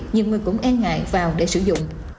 nhiều người cũng e ngại vào để sử dụng